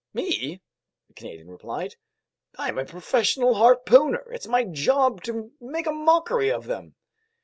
"Me?" the Canadian replied. "I'm a professional harpooner! It's my job to make a mockery of them!"